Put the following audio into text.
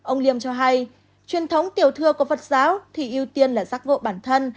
ông liêm cho hay truyền thống tiểu thừa của phật giáo thì ưu tiên là giác ngộ bản thân